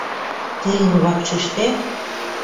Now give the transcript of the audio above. Тыйын вакшыштет?